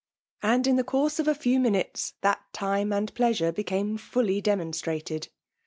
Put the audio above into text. And, in the course of a few ndnutes, that time and pleasure became fully demonstrated.